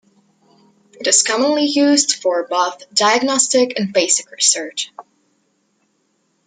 It is commonly used for both diagnostic and basic research.